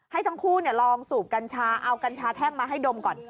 ให้ทั้งคู่ลองสูบกัญชาเอากัญชาแท่งมาให้ดมก่อน